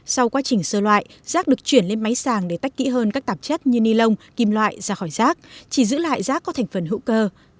sau quá trình sơ loại rác được chuyển lên máy sàng để tách kỹ hơn các tạp chất như ni lông kim loại ra khỏi rác chỉ giữ lại rác có thành phần hữu cơ